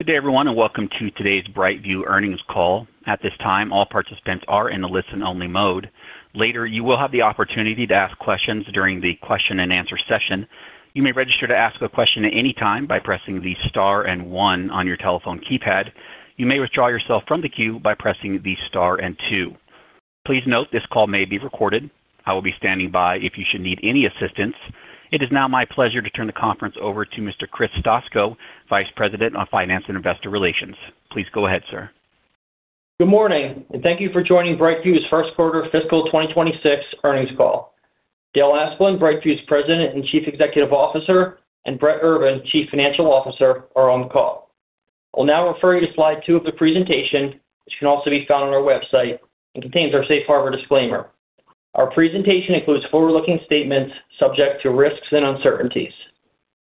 Good day, everyone, and welcome to today's BrightView earnings call. At this time, all participants are in the listen-only mode. Later, you will have the opportunity to ask questions during the question-and-answer session. You may register to ask a question at any time by pressing the star and one on your telephone keypad. You may withdraw yourself from the queue by pressing the star and two. Please note, this call may be recorded. I will be standing by if you should need any assistance. It is now my pleasure to turn the conference over to Mr. Chris Stoczko, Vice President of Finance and Investor Relations. Please go ahead, sir. Good morning, and thank you for joining BrightView's first quarter fiscal 2026 earnings call. Dale Asplund, BrightView's President and Chief Executive Officer, and Brett Urban, Chief Financial Officer, are on the call. I'll now refer you to slide 2 of the presentation, which can also be found on our website and contains our Safe Harbor disclaimer. Our presentation includes forward-looking statements subject to risks and uncertainties.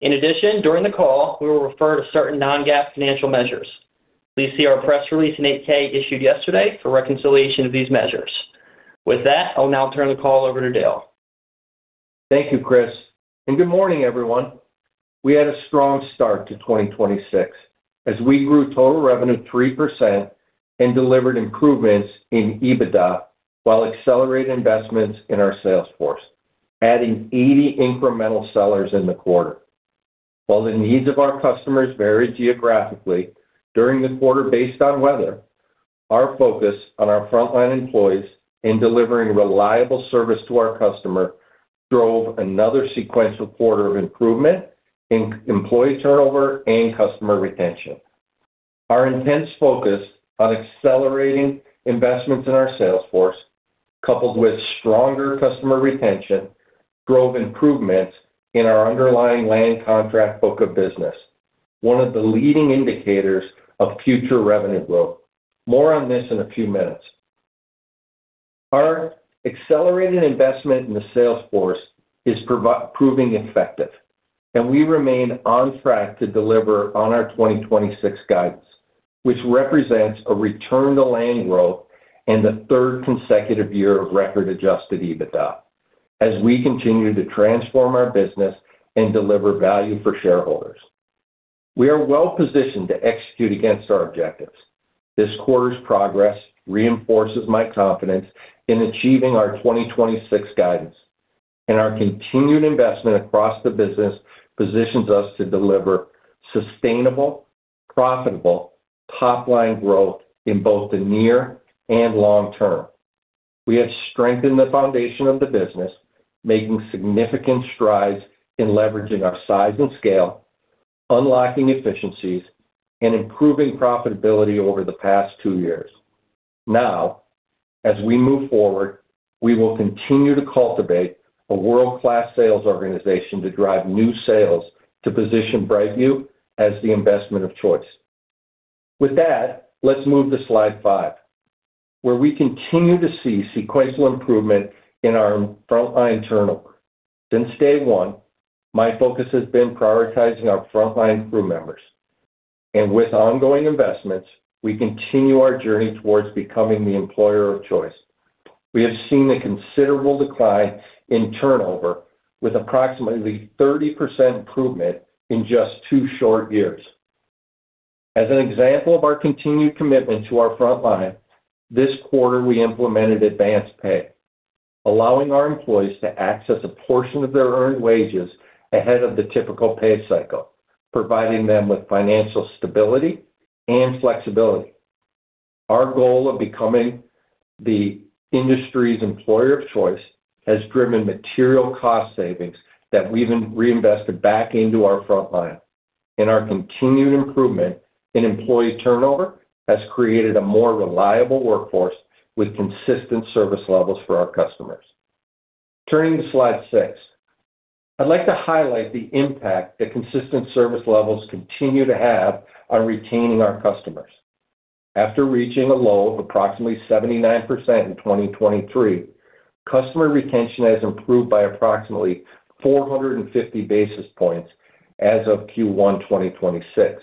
In addition, during the call, we will refer to certain non-GAAP financial measures. Please see our press release and 8-K issued yesterday for reconciliation of these measures. With that, I'll now turn the call over to Dale. Thank you, Chris, and good morning, everyone. We had a strong start to 2026 as we grew total revenue 3% and delivered improvements in EBITDA while accelerated investments in our sales force, adding 80 incremental sellers in the quarter. While the needs of our customers vary geographically during the quarter based on weather, our focus on our frontline employees in delivering reliable service to our customer drove another sequential quarter of improvement in employee turnover and customer retention. Our intense focus on accelerating investments in our sales force, coupled with stronger customer retention, drove improvements in our underlying land contract book of business, one of the leading indicators of future revenue growth. More on this in a few minutes. Our accelerated investment in the sales force is proving effective, and we remain on track to deliver on our 2026 guidance, which represents a return to land growth and the third consecutive year of record adjusted EBITDA as we continue to transform our business and deliver value for shareholders. We are well positioned to execute against our objectives. This quarter's progress reinforces my confidence in achieving our 2026 guidance, and our continued investment across the business positions us to deliver sustainable, profitable, top-line growth in both the near and long term. We have strengthened the foundation of the business, making significant strides in leveraging our size and scale, unlocking efficiencies, and improving profitability over the past two years. Now, as we move forward, we will continue to cultivate a world-class sales organization to drive new sales to position BrightView as the investment of choice. With that, let's move to slide 5, where we continue to see sequential improvement in our frontline turnover. Since day one, my focus has been prioritizing our frontline crew members, and with ongoing investments, we continue our journey towards becoming the employer of choice. We have seen a considerable decline in turnover with approximately 30% improvement in just two short years. As an example of our continued commitment to our frontline, this quarter we implemented advanced pay, allowing our employees to access a portion of their earned wages ahead of the typical pay cycle, providing them with financial stability and flexibility. Our goal of becoming the industry's employer of choice has driven material cost savings that we've reinvested back into our frontline, and our continued improvement in employee turnover has created a more reliable workforce with consistent service levels for our customers. Turning to slide 6, I'd like to highlight the impact that consistent service levels continue to have on retaining our customers. After reaching a low of approximately 79% in 2023, customer retention has improved by approximately 450 basis points as of Q1 2026,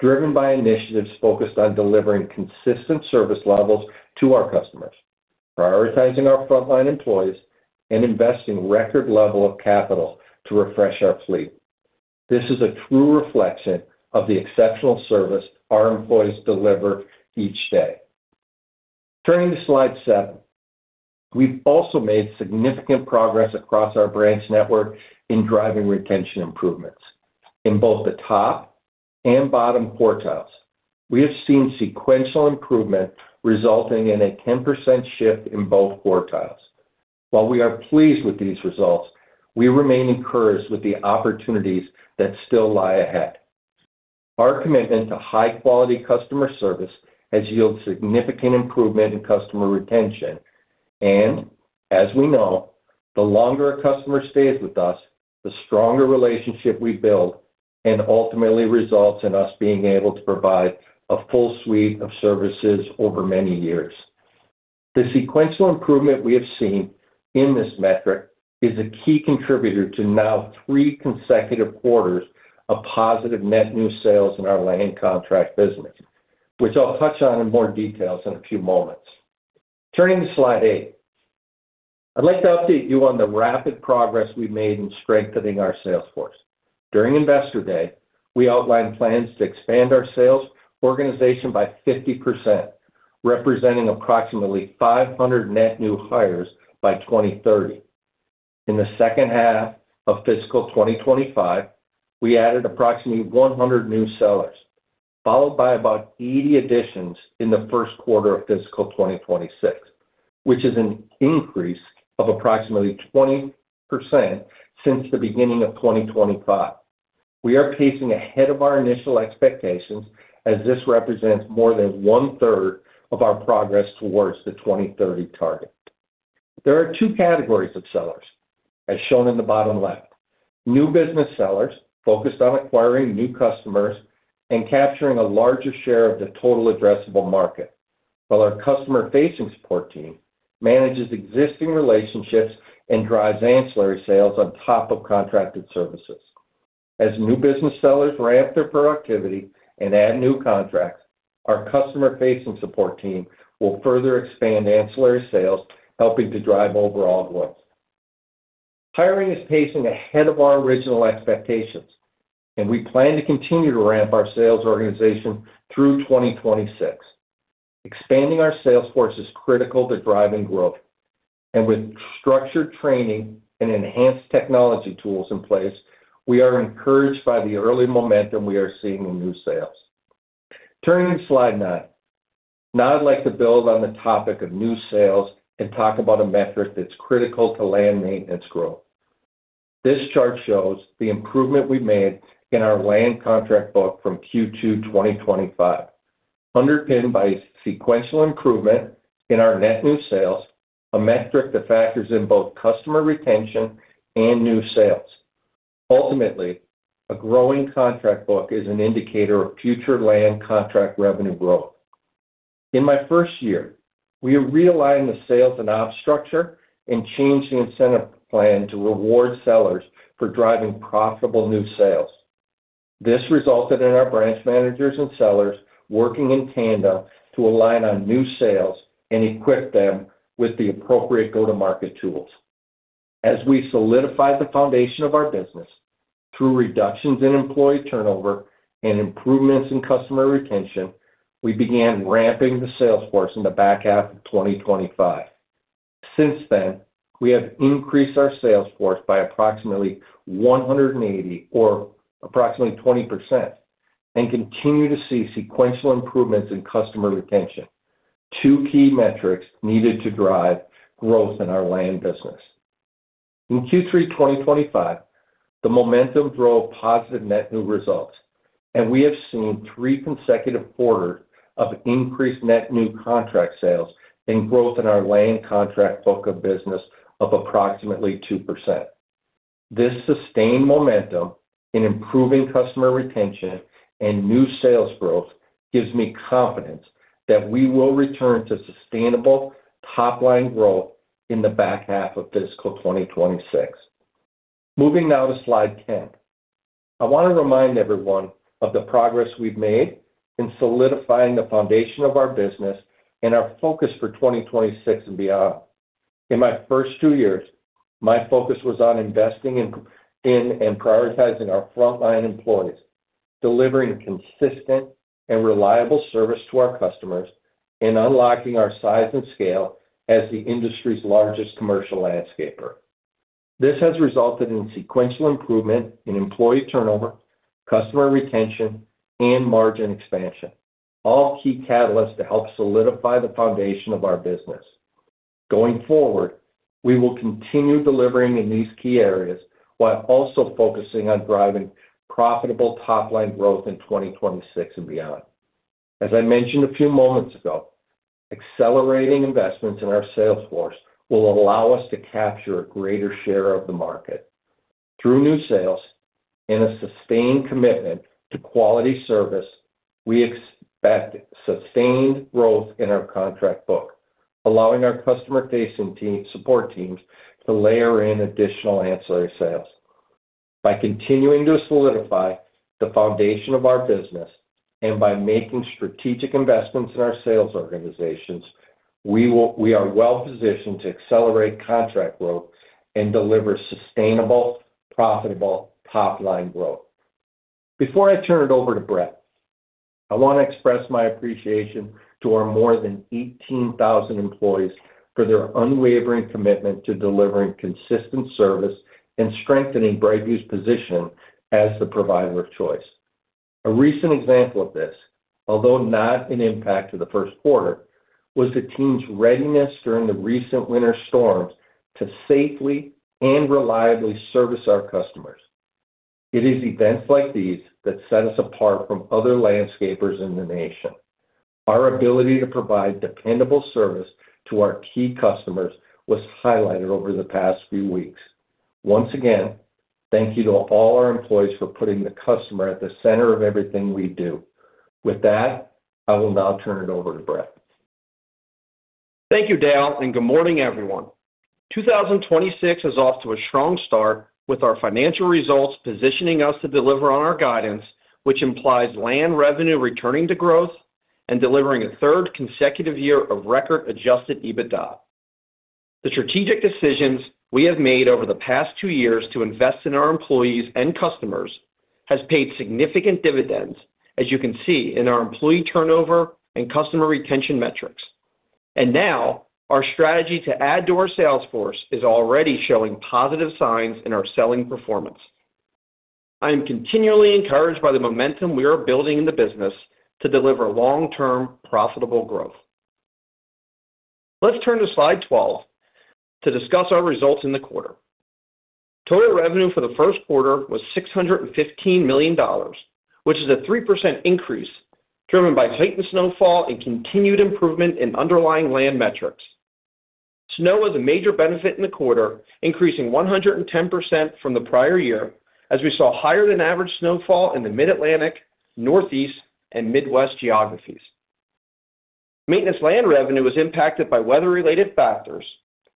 driven by initiatives focused on delivering consistent service levels to our customers, prioritizing our frontline employees, and investing record level of capital to refresh our fleet. This is a true reflection of the exceptional service our employees deliver each day. Turning to slide 7, we've also made significant progress across our branch network in driving retention improvements. In both the top and bottom quartiles, we have seen sequential improvement resulting in a 10% shift in both quartiles. While we are pleased with these results, we remain encouraged with the opportunities that still lie ahead. Our commitment to high-quality customer service has yielded significant improvement in customer retention, and as we know, the longer a customer stays with us, the stronger relationship we build, and ultimately results in us being able to provide a full suite of services over many years. The sequential improvement we have seen in this metric is a key contributor to now three consecutive quarters of positive net new sales in our land contract business, which I'll touch on in more detail in a few moments. Turning to slide eight, I'd like to update you on the rapid progress we made in strengthening our sales force. During Investor Day, we outlined plans to expand our sales organization by 50%, representing approximately 500 net new hires by 2030. In the second half of fiscal 2025, we added approximately 100 new sellers, followed by about 80 additions in the first quarter of fiscal 2026, which is an increase of approximately 20% since the beginning of 2025. We are pacing ahead of our initial expectations as this represents more than one-third of our progress towards the 2030 target. There are two categories of sellers, as shown in the bottom left: new business sellers focused on acquiring new customers and capturing a larger share of the total addressable market, while our customer-facing support team manages existing relationships and drives ancillary sales on top of contracted services. As new business sellers ramp their productivity and add new contracts, our customer-facing support team will further expand ancillary sales, helping to drive overall growth. Hiring is pacing ahead of our original expectations, and we plan to continue to ramp our sales organization through 2026. Expanding our sales force is critical to driving growth, and with structured training and enhanced technology tools in place, we are encouraged by the early momentum we are seeing in new sales. Turning to slide 9, now I'd like to build on the topic of new sales and talk about a metric that's critical to land maintenance growth. This chart shows the improvement we made in our land contract book from Q2 2025, underpinned by sequential improvement in our net new sales, a metric that factors in both customer retention and new sales. Ultimately, a growing contract book is an indicator of future land contract revenue growth. In my first year, we realigned the sales and ops structure and changed the incentive plan to reward sellers for driving profitable new sales. This resulted in our branch managers and sellers working in tandem to align on new sales and equip them with the appropriate go-to-market tools. As we solidified the foundation of our business through reductions in employee turnover and improvements in customer retention, we began ramping the sales force in the back half of 2025. Since then, we have increased our sales force by approximately 180 or approximately 20% and continue to see sequential improvements in customer retention, two key metrics needed to drive growth in our land business. In Q3 2025, the momentum drove positive net new results, and we have seen three consecutive quarters of increased net new contract sales and growth in our land contract book of business of approximately 2%. This sustained momentum in improving customer retention and new sales growth gives me confidence that we will return to sustainable top-line growth in the back half of fiscal 2026. Moving now to slide 10, I want to remind everyone of the progress we've made in solidifying the foundation of our business and our focus for 2026 and beyond. In my first 2 years, my focus was on investing in and prioritizing our frontline employees, delivering consistent and reliable service to our customers, and unlocking our size and scale as the industry's largest commercial landscaper. This has resulted in sequential improvement in employee turnover, customer retention, and margin expansion, all key catalysts to help solidify the foundation of our business. Going forward, we will continue delivering in these key areas while also focusing on driving profitable top-line growth in 2026 and beyond. As I mentioned a few moments ago, accelerating investments in our sales force will allow us to capture a greater share of the market. Through new sales and a sustained commitment to quality service, we expect sustained growth in our contract book, allowing our customer-facing support teams to layer in additional ancillary sales. By continuing to solidify the foundation of our business and by making strategic investments in our sales organizations, we are well positioned to accelerate contract growth and deliver sustainable, profitable top-line growth. Before I turn it over to Brett, I want to express my appreciation to our more than 18,000 employees for their unwavering commitment to delivering consistent service and strengthening BrightView's position as the provider of choice. A recent example of this, although not an impact to the first quarter, was the team's readiness during the recent winter storms to safely and reliably service our customers. It is events like these that set us apart from other landscapers in the nation. Our ability to provide dependable service to our key customers was highlighted over the past few weeks. Once again, thank you to all our employees for putting the customer at the center of everything we do. With that, I will now turn it over to Brett. Thank you, Dale, and good morning, everyone. 2026 is off to a strong start with our financial results positioning us to deliver on our guidance, which implies land revenue returning to growth and delivering a third consecutive year of record adjusted EBITDA. The strategic decisions we have made over the past two years to invest in our employees and customers have paid significant dividends, as you can see in our employee turnover and customer retention metrics. And now, our strategy to add to our sales force is already showing positive signs in our selling performance. I am continually encouraged by the momentum we are building in the business to deliver long-term profitable growth. Let's turn to slide 12 to discuss our results in the quarter. Total revenue for the first quarter was $615 million, which is a 3% increase driven by heightened snowfall and continued improvement in underlying land metrics. Snow was a major benefit in the quarter, increasing 110% from the prior year as we saw higher-than-average snowfall in the Mid-Atlantic, Northeast, and Midwest geographies. Maintenance land revenue was impacted by weather-related factors,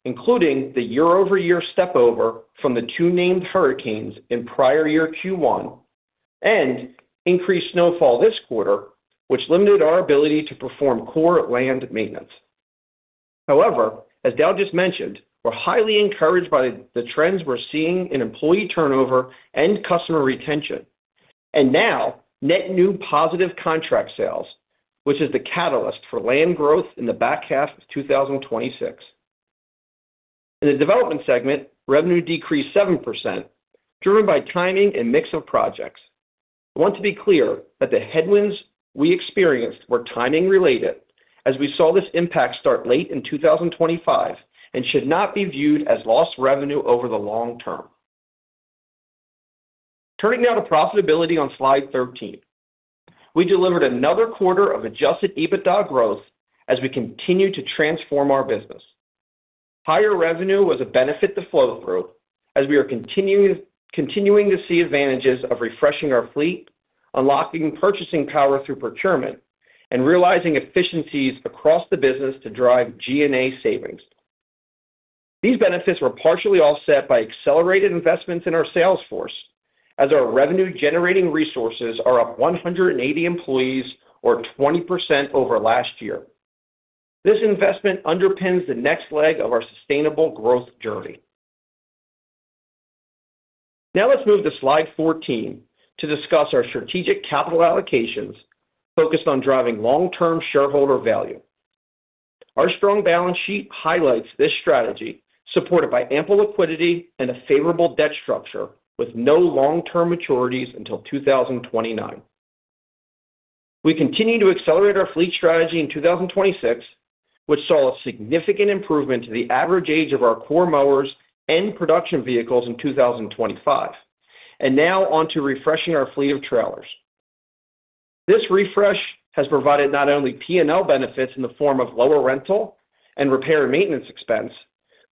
including the year-over-year stepover from the two named hurricanes in prior year Q1 and increased snowfall this quarter, which limited our ability to perform core land maintenance. However, as Dale just mentioned, we're highly encouraged by the trends we're seeing in employee turnover and customer retention, and now net new positive contract sales, which is the catalyst for land growth in the back half of 2026. In the development segment, revenue decreased 7% driven by timing and mix of projects. I want to be clear that the headwinds we experienced were timing-related as we saw this impact start late in 2025 and should not be viewed as lost revenue over the long term. Turning now to profitability on slide 13, we delivered another quarter of Adjusted EBITDA growth as we continue to transform our business. Higher revenue was a benefit to flow through as we are continuing to see advantages of refreshing our fleet, unlocking purchasing power through procurement, and realizing efficiencies across the business to drive G&A savings. These benefits were partially offset by accelerated investments in our sales force as our revenue-generating resources are up 180 employees or 20% over last year. This investment underpins the next leg of our sustainable growth journey. Now let's move to slide 14 to discuss our strategic capital allocations focused on driving long-term shareholder value. Our strong balance sheet highlights this strategy, supported by ample liquidity and a favorable debt structure with no long-term maturities until 2029. We continue to accelerate our fleet strategy in 2026, which saw a significant improvement to the average age of our core mowers and production vehicles in 2025, and now onto refreshing our fleet of trailers. This refresh has provided not only P&L benefits in the form of lower rental and repair and maintenance expense,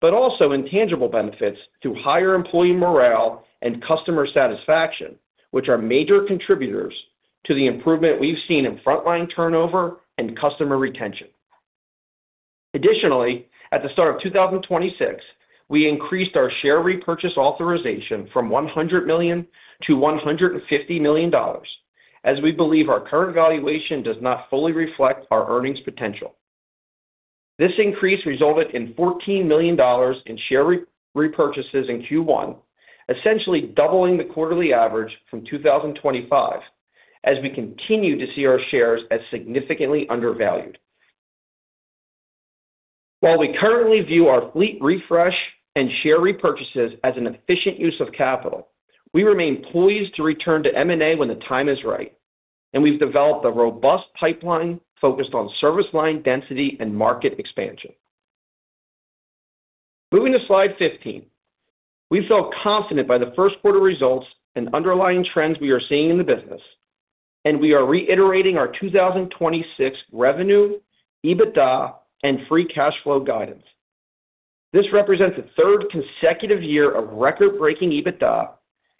but also intangible benefits through higher employee morale and customer satisfaction, which are major contributors to the improvement we've seen in frontline turnover and customer retention. Additionally, at the start of 2026, we increased our share repurchase authorization from $100 million to $150 million as we believe our current valuation does not fully reflect our earnings potential. This increase resulted in $14 million in share repurchases in Q1, essentially doubling the quarterly average from 2025 as we continue to see our shares as significantly undervalued. While we currently view our fleet refresh and share repurchases as an efficient use of capital, we remain poised to return to M&A when the time is right, and we've developed a robust pipeline focused on service line density and market expansion. Moving to slide 15, we feel confident by the first quarter results and underlying trends we are seeing in the business, and we are reiterating our 2026 revenue, EBITDA, and free cash flow guidance. This represents a third consecutive year of record-breaking EBITDA,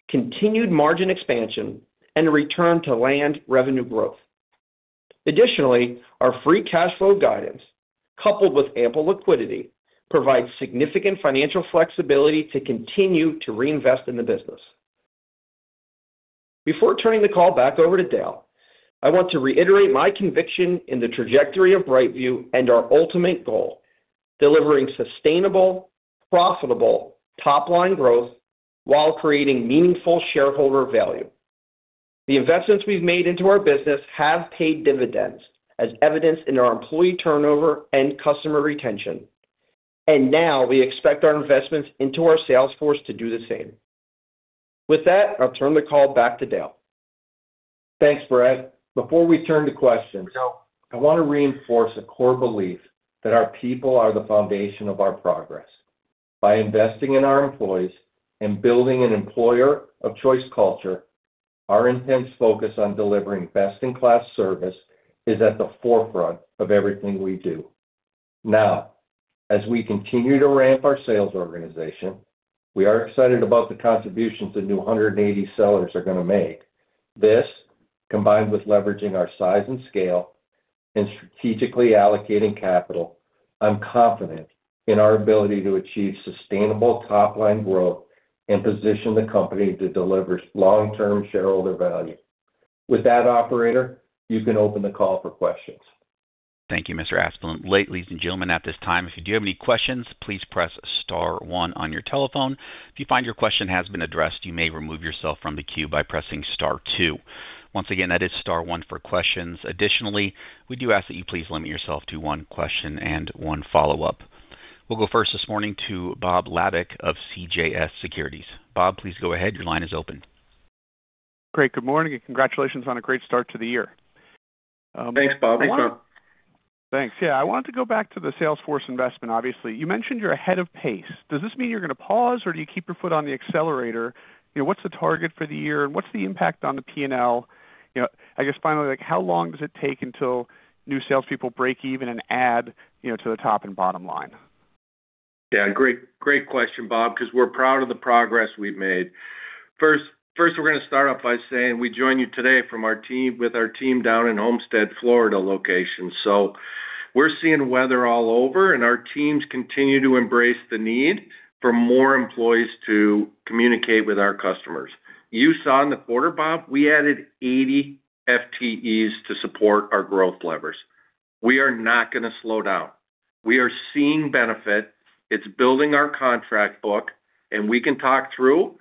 continued margin expansion, and return to land revenue growth. Additionally, our free cash flow guidance, coupled with ample liquidity, provides significant financial flexibility to continue to reinvest in the business. Before turning the call back over to Dale, I want to reiterate my conviction in the trajectory of BrightView and our ultimate goal: delivering sustainable, profitable top-line growth while creating meaningful shareholder value. The investments we've made into our business have paid dividends, as evidenced in our employee turnover and customer retention, and now we expect our investments into our sales force to do the same. With that, I'll turn the call back to Dale. Thanks, Brett. Before we turn to questions, I want to reinforce a core belief that our people are the foundation of our progress. By investing in our employees and building an employer of choice culture, our intense focus on delivering best-in-class service is at the forefront of everything we do. Now, as we continue to ramp our sales organization, we are excited about the contributions the new 180 sellers are going to make. This, combined with leveraging our size and scale and strategically allocating capital, I'm confident in our ability to achieve sustainable top-line growth and position the company to deliver long-term shareholder value. With that, operator, you can open the call for questions. Thank you, Mr. Asplund. Ladies and gentlemen, at this time, if you do have any questions, please press star 1 on your telephone. If you find your question has been addressed, you may remove yourself from the queue by pressing star 2. Once again, that is star 1 for questions. Additionally, we do ask that you please limit yourself to one question and one follow-up. We'll go first this morning to Bob Labick of CJS Securities. Bob, please go ahead. Your line is open. Great. Good morning and congratulations on a great start to the year. Thanks, Bob. Thanks. Yeah, I wanted to go back to the sales force investment, obviously. You mentioned you're ahead of pace. Does this mean you're going to pause, or do you keep your foot on the accelerator? What's the target for the year, and what's the impact on the P&L? I guess, finally, how long does it take until new salespeople break even and add to the top and bottom line? Yeah, great question, Bob, because we're proud of the progress we've made. First, we're going to start off by saying we join you today with our team down in Homestead, Florida location. So we're seeing weather all over, and our teams continue to embrace the need for more employees to communicate with our customers. You saw in the quarter, Bob, we added 80 FTEs to support our growth levers. We are not going to slow down. We are seeing benefit. It's building our contract book, and we can talk through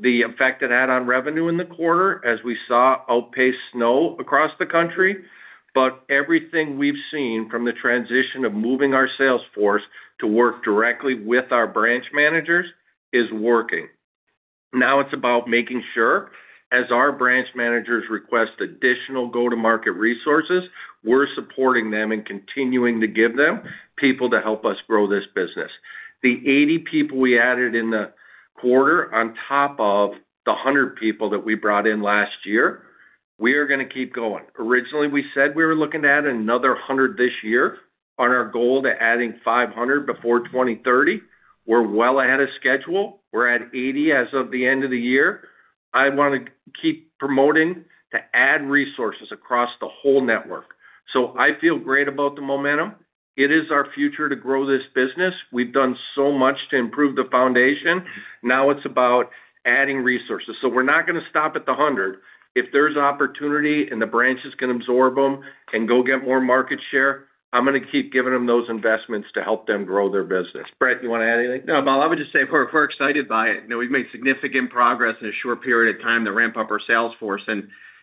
the effect it had on revenue in the quarter as we saw outpaced snow across the country. But everything we've seen from the transition of moving our sales force to work directly with our branch managers is working. Now it's about making sure, as our branch managers request additional go-to-market resources, we're supporting them and continuing to give them people to help us grow this business. The 80 people we added in the quarter on top of the 100 people that we brought in last year, we are going to keep going. Originally, we said we were looking at another 100 this year on our goal to adding 500 before 2030. We're well ahead of schedule. We're at 80 as of the end of the year. I want to keep promoting to add resources across the whole network. So I feel great about the momentum. It is our future to grow this business. We've done so much to improve the foundation. Now it's about adding resources. So we're not going to stop at the 100. If there's opportunity and the branch is going to absorb them and go get more market share, I'm going to keep giving them those investments to help them grow their business. Brett, you want to add anything? No, Bob, I would just say we're excited by it. We've made significant progress in a short period of time to ramp up our sales force.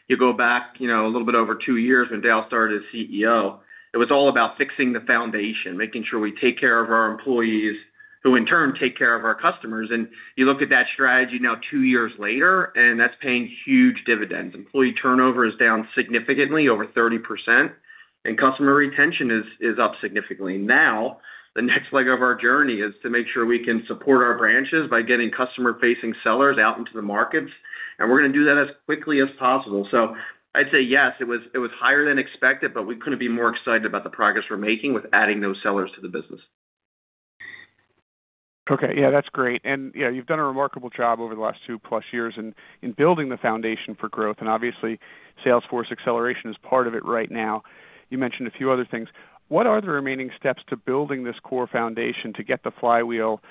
You go back a little bit over two years when Dale started as CEO, it was all about fixing the foundation, making sure we take care of our employees who, in turn, take care of our customers. You look at that strategy now two years later, and that's paying huge dividends. Employee turnover is down significantly, over 30%, and customer retention is up significantly. Now, the next leg of our journey is to make sure we can support our branches by getting customer-facing sellers out into the markets, and we're going to do that as quickly as possible. So I'd say yes, it was higher than expected, but we couldn't be more excited about the progress we're making with adding those sellers to the business. Okay. Yeah, that's great. And yeah, you've done a remarkable job over the last 2-plus years in building the foundation for growth, and obviously, sales force acceleration is part of it right now. You mentioned a few other things. What are the remaining steps to building this core foundation to get the flywheel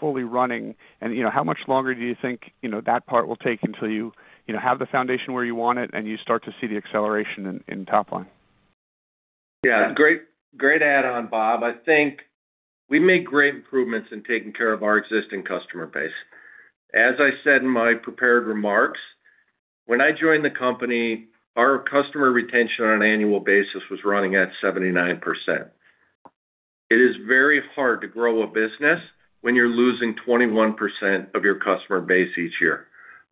fully running, and how much longer do you think that part will take until you have the foundation where you want it and you start to see the acceleration in top line? Yeah, great add-on, Bob. I think we've made great improvements in taking care of our existing customer base. As I said in my prepared remarks, when I joined the company, our customer retention on an annual basis was running at 79%. It is very hard to grow a business when you're losing 21% of your customer base each year.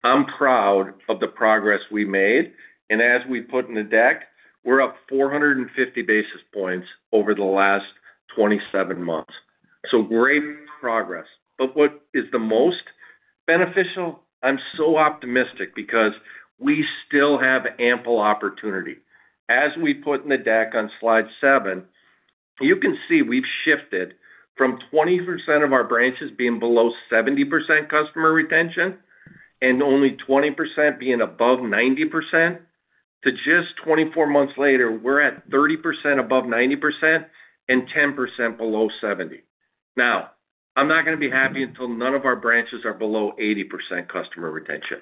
I'm proud of the progress we made, and as we put in the deck, we're up 450 basis points over the last 27 months. So great progress. But what is the most beneficial? I'm so optimistic because we still have ample opportunity. As we put in the deck on slide 7, you can see we've shifted from 20% of our branches being below 70% customer retention and only 20% being above 90% to just 24 months later, we're at 30% above 90% and 10% below 70%. Now, I'm not going to be happy until none of our branches are below 80% customer retention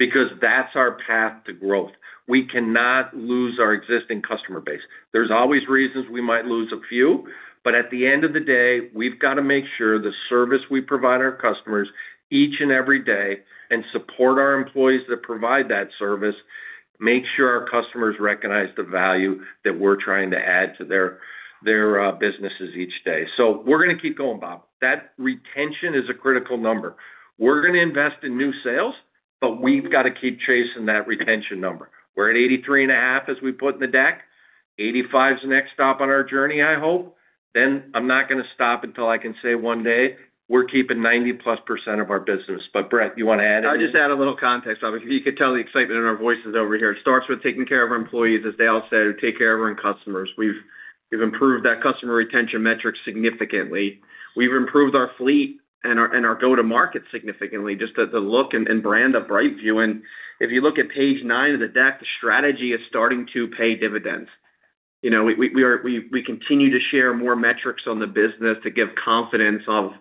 because that's our path to growth. We cannot lose our existing customer base. There's always reasons we might lose a few, but at the end of the day, we've got to make sure the service we provide our customers each and every day and support our employees that provide that service make sure our customers recognize the value that we're trying to add to their businesses each day. So we're going to keep going, Bob. That retention is a critical number. We're going to invest in new sales, but we've got to keep chasing that retention number. We're at 83.5% as we put in the deck. 85% is the next stop on our journey, I hope. Then I'm not going to stop until I can say one day, "We're keeping 90%+ of our business." But Brett, you want to add anything? I'll just add a little context, Bob. You could tell the excitement in our voices over here. It starts with taking care of our employees, as Dale said, or take care of our customers. We've improved that customer retention metric significantly. We've improved our fleet and our go-to-market significantly, just the look and brand of BrightView. And if you look at page 9 of the deck, the strategy is starting to pay dividends. We continue to share more metrics on the business to give confidence of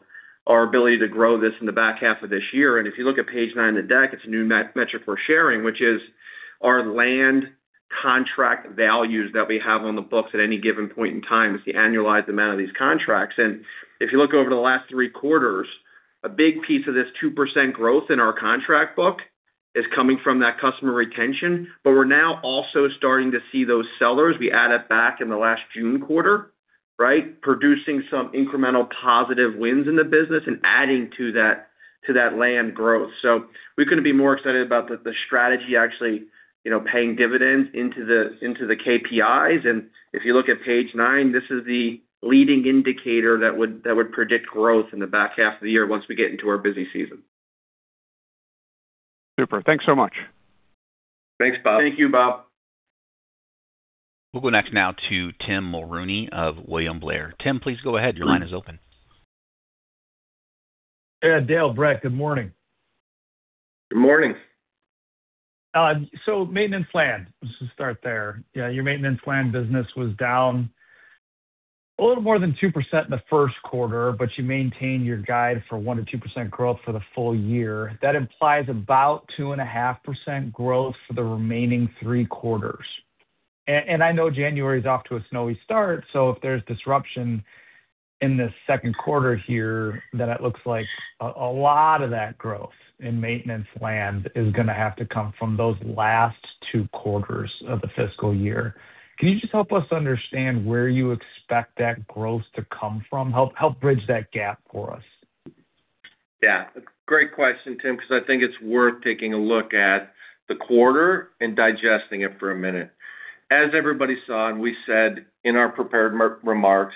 our ability to grow this in the back half of this year. If you look at page 9 of the deck, it's a new metric we're sharing, which is our land contract values that we have on the books at any given point in time. It's the annualized amount of these contracts. If you look over the last three quarters, a big piece of this 2% growth in our contract book is coming from that customer retention, but we're now also starting to see those sellers - we added back in the last June quarter, right? - producing some incremental positive wins in the business and adding to that land growth. We couldn't be more excited about the strategy actually paying dividends into the KPIs. If you look at page 9, this is the leading indicator that would predict growth in the back half of the year once we get into our busy season. Super. Thanks so much. Thanks, Bob. Thank you, Bob. We'll go next now to Tim Mulrooney of William Blair. Tim, please go ahead. Your line is open. Yeah, Dale, Brett, good morning. Good morning. So maintenance land, let's just start there. Yeah, your maintenance land business was down a little more than 2% in the first quarter, but you maintain your guide for 1%-2% growth for the full year. That implies about 2.5% growth for the remaining three quarters. And I know January is off to a snowy start, so if there's disruption in the second quarter here, then it looks like a lot of that growth in maintenance land is going to have to come from those last two quarters of the fiscal year. Can you just help us understand where you expect that growth to come from? Help bridge that gap for us. Yeah, that's a great question, Tim, because I think it's worth taking a look at the quarter and digesting it for a minute. As everybody saw, and we said in our prepared remarks,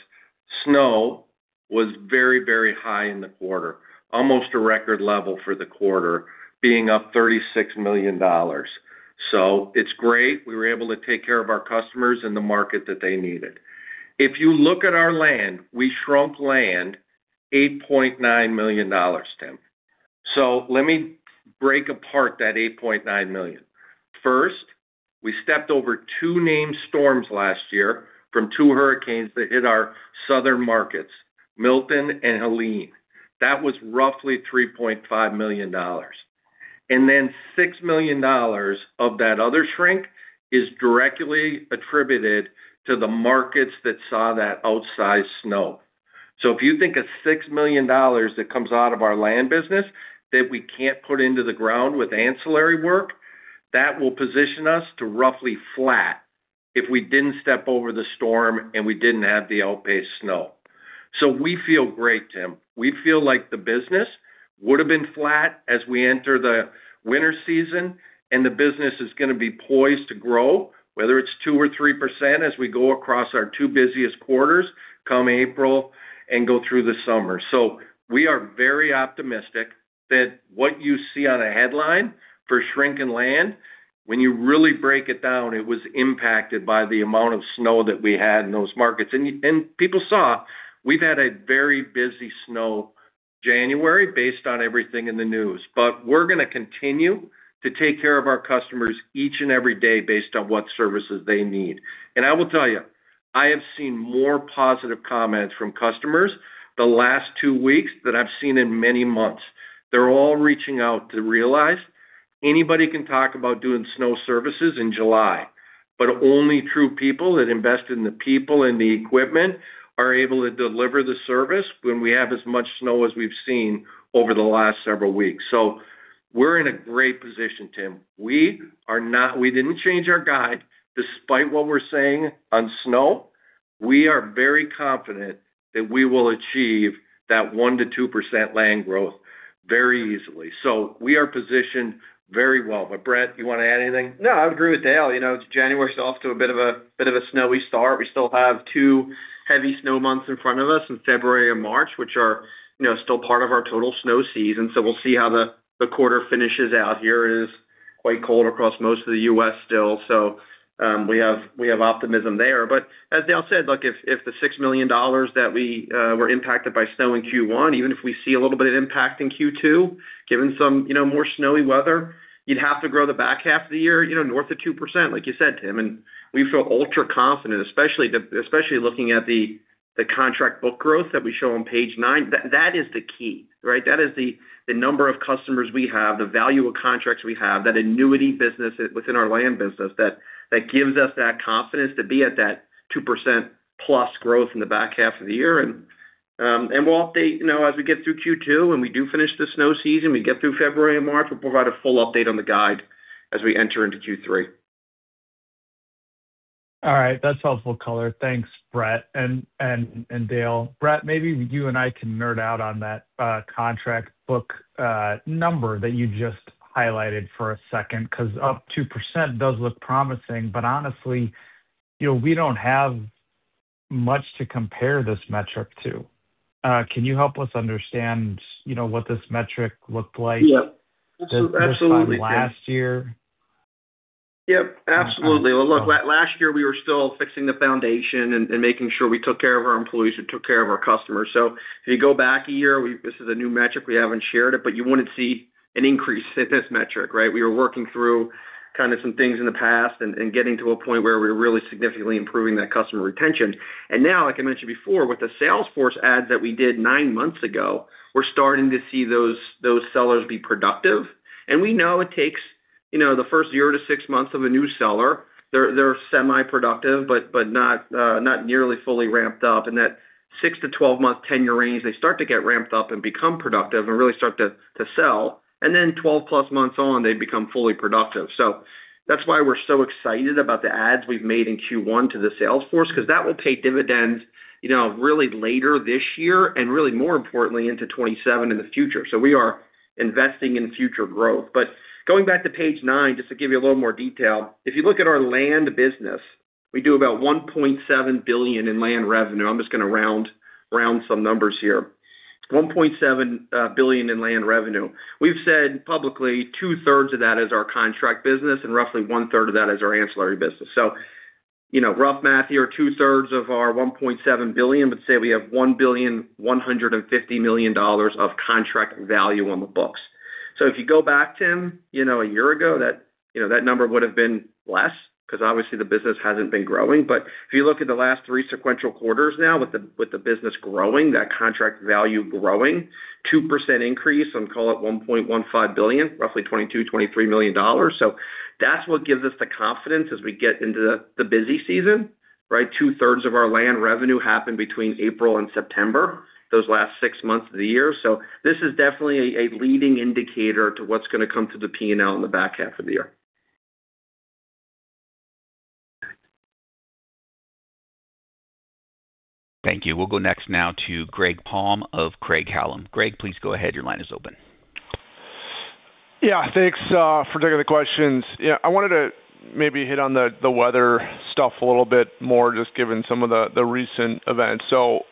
snow was very, very high in the quarter, almost a record level for the quarter, being up $36 million. So it's great. We were able to take care of our customers and the market that they needed. If you look at our land, we shrunk land $8.9 million, Tim. So let me break apart that $8.9 million. First, we stepped over two named storms last year from two hurricanes that hit our southern markets, Milton and Helene. That was roughly $3.5 million. And then $6 million of that other shrink is directly attributed to the markets that saw that outsized snow. So if you think of $6 million that comes out of our land business that we can't put into the ground with ancillary work, that will position us to roughly flat if we didn't step over the storm and we didn't have the outpaced snow. So we feel great, Tim. We feel like the business would have been flat as we enter the winter season, and the business is going to be poised to grow, whether it's 2% or 3% as we go across our two busiest quarters, come April, and go through the summer. So we are very optimistic that what you see on a headline for shrinking land, when you really break it down, it was impacted by the amount of snow that we had in those markets. And people saw we've had a very busy snow January, based on everything in the news. But we're going to continue to take care of our customers each and every day based on what services they need. And I will tell you, I have seen more positive comments from customers the last two weeks than I've seen in many months. They're all reaching out to realize anybody can talk about doing snow services in July, but only true people that invest in the people and the equipment are able to deliver the service when we have as much snow as we've seen over the last several weeks. So we're in a great position, Tim. We didn't change our guide. Despite what we're saying on snow, we are very confident that we will achieve that 1%-2% land growth very easily. So we are positioned very well. But Brett, you want to add anything? No, I would agree with Dale. January is off to a bit of a snowy start. We still have two heavy snow months in front of us in February and March, which are still part of our total snow season. So we'll see how the quarter finishes out. It is quite cold across most of the U.S. still, so we have optimism there. But as Dale said, if the $6 million that we were impacted by snow in Q1, even if we see a little bit of impact in Q2, given some more snowy weather, you'd have to grow the back half of the year north of 2%, like you said, Tim. And we feel ultra confident, especially looking at the contract book growth that we show on page 9. That is the key, right? That is the number of customers we have, the value of contracts we have, that annuity business within our land business that gives us that confidence to be at that 2%+ growth in the back half of the year. We'll update as we get through Q2, and we do finish the snow season. We get through February and March, we'll provide a full update on the guide as we enter into Q3. All right. That's helpful color. Thanks, Brett and Dale. Brett, maybe you and I can nerd out on that contract book number that you just highlighted for a second because up 2% does look promising, but honestly, we don't have much to compare this metric to. Can you help us understand what this metric looked like? Yeah, absolutely. So this is from last year? Yep, absolutely. Well, look, last year, we were still fixing the foundation and making sure we took care of our employees and took care of our customers. So if you go back a year, this is a new metric. We haven't shared it, but you wouldn't see an increase in this metric, right? We were working through kind of some things in the past and getting to a point where we were really significantly improving that customer retention. And now, like I mentioned before, with the sales force ads that we did nine months ago, we're starting to see those sellers be productive. And we know it takes the first year to six months of a new seller. They're semi-productive but not nearly fully ramped up. In that 6-12-month tenure range, they start to get ramped up and become productive and really start to sell. Then 12-plus months on, they become fully productive. So that's why we're so excited about the ads we've made in Q1 to the sales force because that will pay dividends really later this year and really more importantly, into 2027 in the future. So we are investing in future growth. But going back to page 9, just to give you a little more detail, if you look at our land business, we do about $1.7 billion in land revenue. I'm just going to round some numbers here. $1.7 billion in land revenue. We've said publicly, two-thirds of that is our contract business and roughly one-third of that is our ancillary business. So rough math here, two-thirds of our $1.7 billion, but say we have $1,150 million of contract value on the books. So if you go back, Tim, a year ago, that number would have been less because obviously, the business hasn't been growing. But if you look at the last three sequential quarters now with the business growing, that contract value growing, 2% increase, I'll call it $1.15 billion, roughly $22-$23 million. So that's what gives us the confidence as we get into the busy season, right? Two-thirds of our land revenue happened between April and September, those last six months of the year. So this is definitely a leading indicator to what's going to come through the P&L in the back half of the year. Thank you. We'll go next now to Greg Palm of Craig-Hallum. Greg, please go ahead. Your line is open. Yeah, thanks for taking the questions. I wanted to maybe hit on the weather stuff a little bit more, just given some of the recent events. So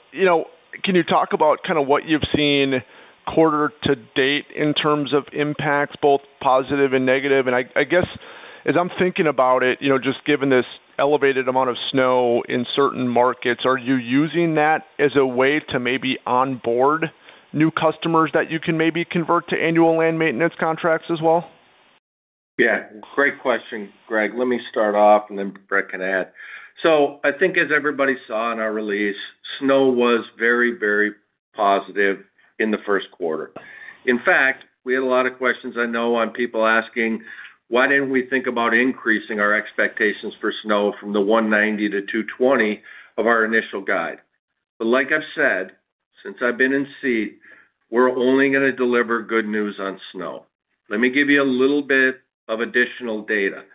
can you talk about kind of what you've seen quarter to date in terms of impacts, both positive and negative? And I guess, as I'm thinking about it, just given this elevated amount of snow in certain markets, are you using that as a way to maybe onboard new customers that you can maybe convert to annual land maintenance contracts as well? Yeah, great question, Greg. Let me start off, and then Brett can add. So I think, as everybody saw in our release, snow was very, very positive in the first quarter. In fact, we had a lot of questions, I know, on people asking, "Why didn't we think about increasing our expectations for snow from the 190-220 of our initial guide?" But like I've said, since I've been in seat, we're only going to deliver good news on snow. Let me give you a little bit of additional data.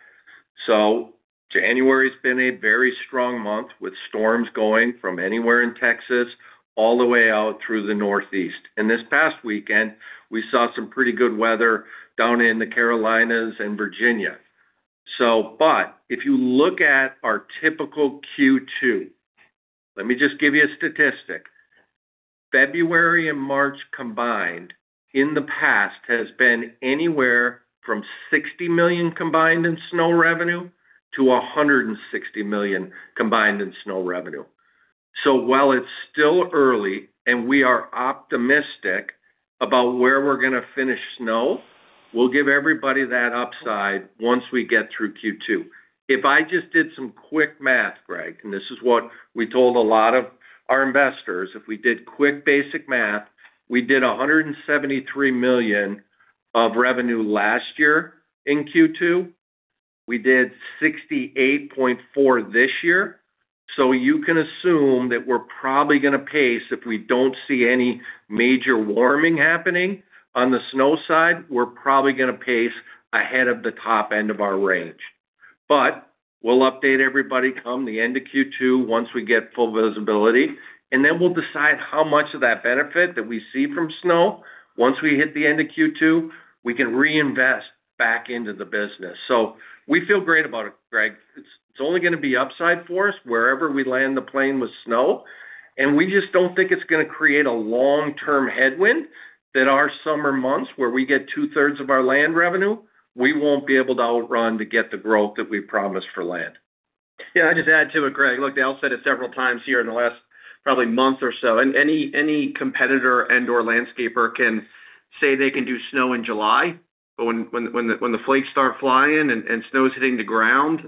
So January has been a very strong month with storms going from anywhere in Texas all the way out through the Northeast. And this past weekend, we saw some pretty good weather down in the Carolinas and Virginia. But if you look at our typical Q2, let me just give you a statistic. February and March combined, in the past, has been anywhere from $60 million combined in snow revenue to $160 million combined in snow revenue. So while it's still early and we are optimistic about where we're going to finish snow, we'll give everybody that upside once we get through Q2. If I just did some quick math, Greg, and this is what we told a lot of our investors, if we did quick basic math, we did $173 million of revenue last year in Q2. We did $68.4 million this year. So you can assume that we're probably going to pace if we don't see any major warming happening on the snow side, we're probably going to pace ahead of the top end of our range. But we'll update everybody come the end of Q2 once we get full visibility, and then we'll decide how much of that benefit that we see from snow once we hit the end of Q2, we can reinvest back into the business. So we feel great about it, Greg. It's only going to be upside for us wherever we land the plane with snow. And we just don't think it's going to create a long-term headwind that our summer months where we get two-thirds of our land revenue, we won't be able to outrun to get the growth that we promised for land. Yeah, I'll just add to it, Greg. Look, Dale said it several times here in the last probably month or so. Any competitor and/or landscaper can say they can do snow in July, but when the flakes start flying and snow is hitting the ground,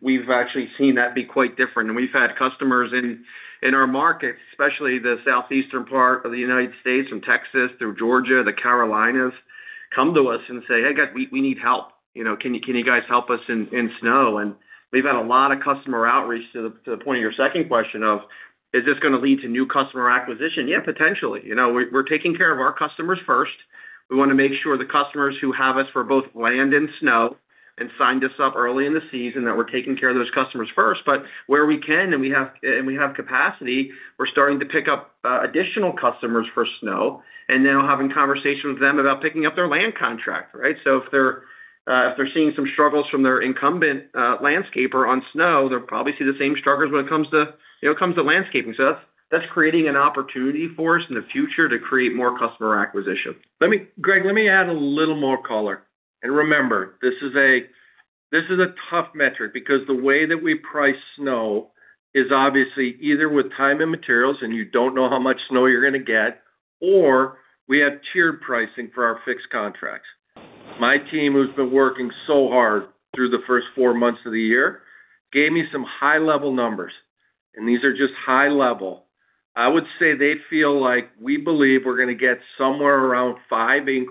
we've actually seen that be quite different. And we've had customers in our markets, especially the southeastern part of the United States, from Texas through Georgia, the Carolinas, come to us and say, "Hey, we need help. Can you guys help us in snow?" And we've had a lot of customer outreach to the point of your second question of, "Is this going to lead to new customer acquisition?" Yeah, potentially. We're taking care of our customers first. We want to make sure the customers who have us for both land and snow and signed us up early in the season, that we're taking care of those customers first. But where we can and we have capacity, we're starting to pick up additional customers for snow and then having conversations with them about picking up their land contract, right? So if they're seeing some struggles from their incumbent landscaper on snow, they'll probably see the same struggles when it comes to landscaping. So that's creating an opportunity for us in the future to create more customer acquisition. Greg, let me add a little more color. And remember, this is a tough metric because the way that we price snow is obviously either with time and materials, and you don't know how much snow you're going to get, or we have tiered pricing for our fixed contracts. My team, who's been working so hard through the first 4 months of the year, gave me some high-level numbers, and these are just high-level. I would say they feel like we believe we're going to get somewhere around $5 million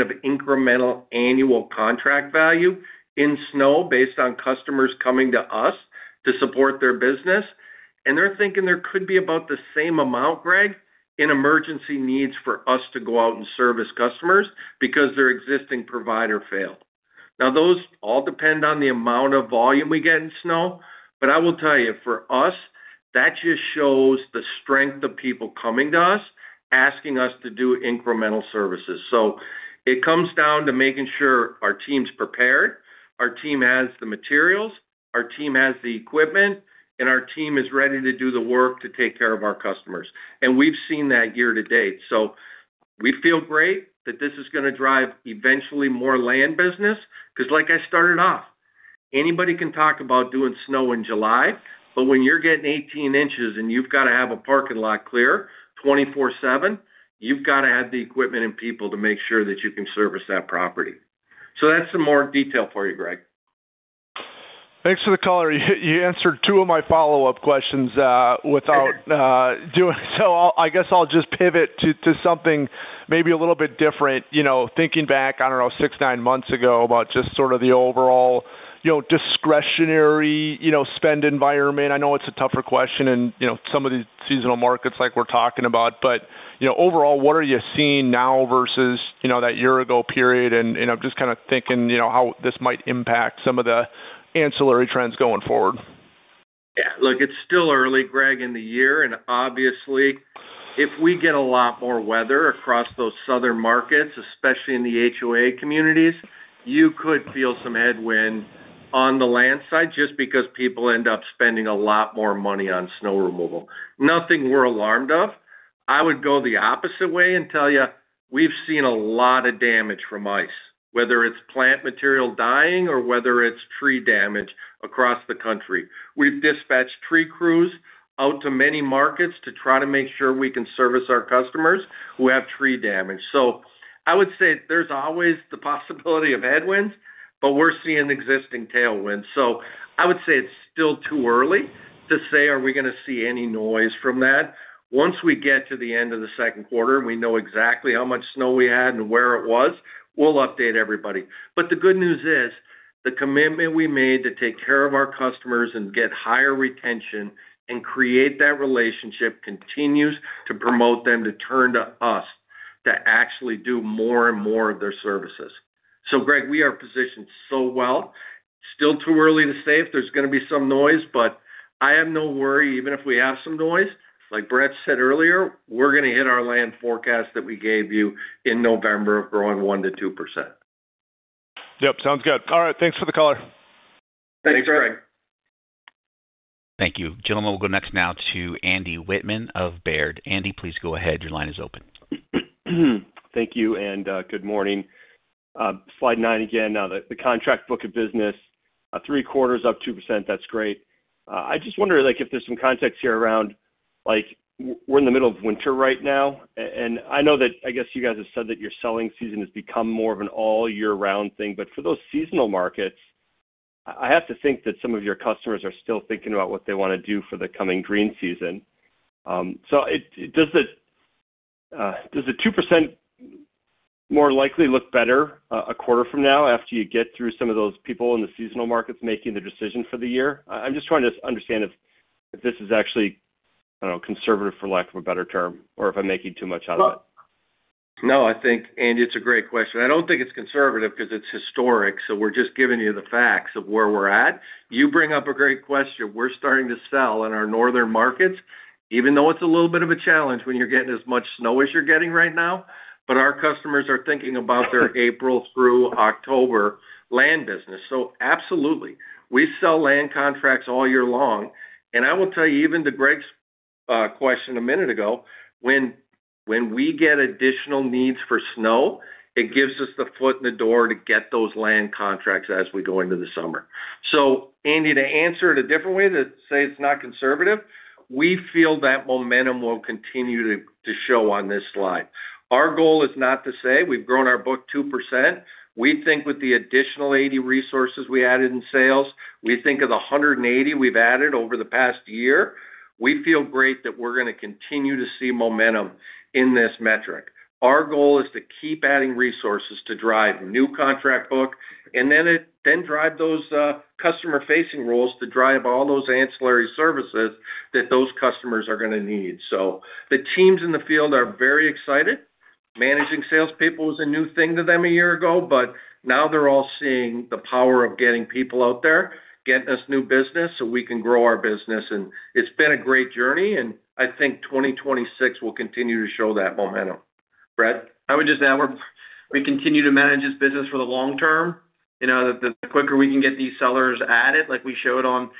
of incremental annual contract value in snow based on customers coming to us to support their business. And they're thinking there could be about the same amount, Greg, in emergency needs for us to go out and service customers because their existing provider failed. Now, those all depend on the amount of volume we get in snow. But I will tell you, for us, that just shows the strength of people coming to us, asking us to do incremental services. So it comes down to making sure our team's prepared, our team has the materials, our team has the equipment, and our team is ready to do the work to take care of our customers. And we've seen that year to date. So we feel great that this is going to drive eventually more land business because, like I started off, anybody can talk about doing snow in July, but when you're getting 18 inches and you've got to have a parking lot clear 24/7, you've got to have the equipment and people to make sure that you can service that property. So that's some more detail for you, Greg. Thanks for the color. You answered two of my follow-up questions without doing so. I guess I'll just pivot to something maybe a little bit different. Thinking back, I don't know, 6, 9 months ago about just sort of the overall discretionary spend environment. I know it's a tougher question in some of these seasonal markets like we're talking about. But overall, what are you seeing now versus that year-ago period? And I'm just kind of thinking how this might impact some of the ancillary trends going forward. Yeah, look, it's still early, Greg, in the year. And obviously, if we get a lot more weather across those southern markets, especially in the HOA communities, you could feel some headwind on the land side just because people end up spending a lot more money on snow removal. Nothing we're alarmed of. I would go the opposite way and tell you, we've seen a lot of damage from ice, whether it's plant material dying or whether it's tree damage across the country. We've dispatched tree crews out to many markets to try to make sure we can service our customers who have tree damage. So I would say there's always the possibility of headwinds, but we're seeing existing tailwinds. So I would say it's still too early to say, "Are we going to see any noise from that?" Once we get to the end of the second quarter and we know exactly how much snow we had and where it was, we'll update everybody. The good news is the commitment we made to take care of our customers and get higher retention and create that relationship continues to promote them to turn to us to actually do more and more of their services. So Greg, we are positioned so well. Still too early to say if there's going to be some noise, but I have no worry, even if we have some noise. Like Brett said earlier, we're going to hit our land forecast that we gave you in November of growing 1%-2%. Yep, sounds good. All right, thanks for the color. Thanks, Greg. Thank you. Gentlemen, we'll go next now to Andy Whittmann of Baird. Andy, please go ahead. Your line is open. Thank you and good morning. Slide 9 again. Now, the contract book of business, three-quarters up 2%, that's great. I just wonder if there's some context here around we're in the middle of winter right now. And I know that I guess you guys have said that your selling season has become more of an all-year-round thing. But for those seasonal markets, I have to think that some of your customers are still thinking about what they want to do for the coming green season. So does the 2% more likely look better a quarter from now after you get through some of those people in the seasonal markets making the decision for the year? I'm just trying to understand if this is actually, I don't know, conservative for lack of a better term or if I'm making too much out of it. No, I think, Andy, it's a great question. I don't think it's conservative because it's historic. So we're just giving you the facts of where we're at. You bring up a great question. We're starting to sell in our northern markets, even though it's a little bit of a challenge when you're getting as much snow as you're getting right now. But our customers are thinking about their April through October land business. So absolutely. We sell land contracts all year long. And I will tell you, even to Greg's question a minute ago, when we get additional needs for snow, it gives us the foot in the door to get those land contracts as we go into the summer. So Andy, to answer it a different way, to say it's not conservative, we feel that momentum will continue to show on this slide. Our goal is not to say we've grown our book 2%. We think with the additional 80 resources we added in sales, we think of the 180 we've added over the past year, we feel great that we're going to continue to see momentum in this metric. Our goal is to keep adding resources to drive new contract book and then drive those customer-facing roles to drive all those ancillary services that those customers are going to need. So the teams in the field are very excited. Managing salespeople was a new thing to them a year ago, but now they're all seeing the power of getting people out there, getting us new business so we can grow our business. And it's been a great journey, and I think 2026 will continue to show that momentum. Brett? I would just add, we continue to manage this business for the long term. The quicker we can get these sellers added, like we showed on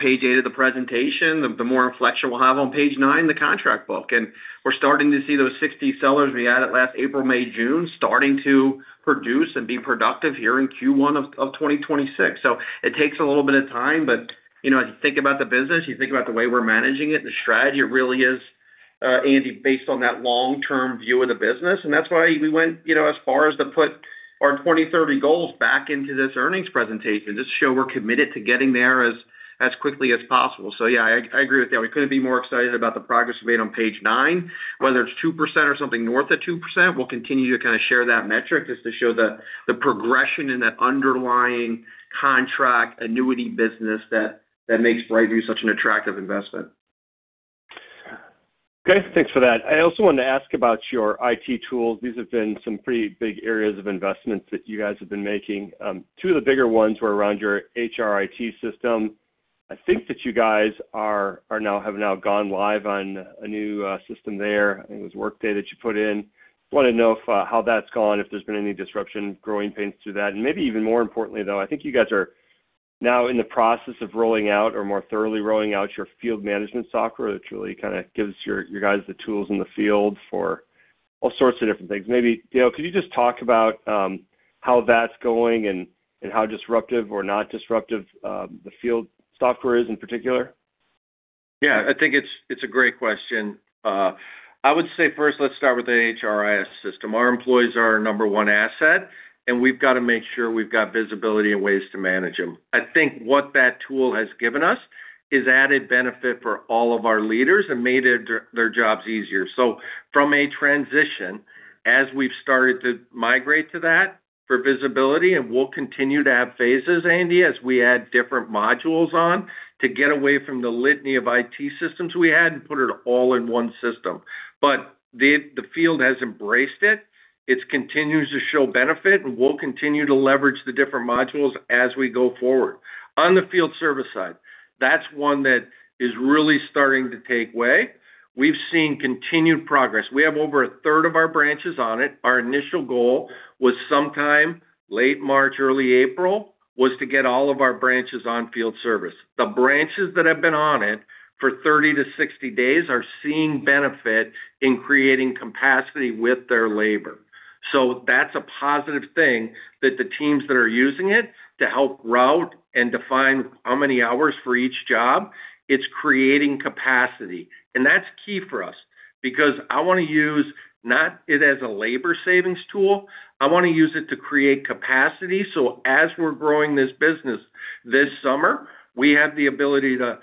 page 8 of the presentation, the more inflection we'll have on page 9, the contract book. And we're starting to see those 60 sellers we added last April, May, June starting to produce and be productive here in Q1 of 2026. So it takes a little bit of time, but as you think about the business, you think about the way we're managing it, the strategy really is, Andy, based on that long-term view of the business. And that's why we went as far as to put our 2030 goals back into this earnings presentation just to show we're committed to getting there as quickly as possible. So yeah, I agree with that. We couldn't be more excited about the progress we made on page 9. Whether it's 2% or something north of 2%, we'll continue to kind of share that metric just to show the progression in that underlying contract annuity business that makes BrightView such an attractive investment. Okay, thanks for that. I also wanted to ask about your IT tools. These have been some pretty big areas of investments that you guys have been making. Two of the bigger ones were around your HR IT system. I think that you guys have now gone live on a new system there. I think it was Workday that you put in. I wanted to know how that's gone, if there's been any disruption, growing pains through that? And maybe even more importantly, though, I think you guys are now in the process of rolling out or more thoroughly rolling out your field management software that truly kind of gives you guys the tools in the field for all sorts of different things. Maybe, Dale, could you just talk about how that's going and how disruptive or not disruptive the field software is in particular? Yeah, I think it's a great question. I would say first, let's start with the HRIS system. Our employees are our number one asset, and we've got to make sure we've got visibility and ways to manage them. I think what that tool has given us is added benefit for all of our leaders and made their jobs easier. So from a transition, as we've started to migrate to that for visibility and we'll continue to have phases, Andy, as we add different modules on to get away from the litany of IT systems we had and put it all in one system. But the field has embraced it. It continues to show benefit, and we'll continue to leverage the different modules as we go forward. On the field service side, that's one that is really starting to take off. We've seen continued progress. We have over a third of our branches on it. Our initial goal was sometime late March, early April, was to get all of our branches on field service. The branches that have been on it for 30-60 days are seeing benefit in creating capacity with their labor. So that's a positive thing that the teams that are using it to help route and define how many hours for each job, it's creating capacity. And that's key for us because I want to use not it as a labor savings tool. I want to use it to create capacity. So as we're growing this business this summer, we have the ability to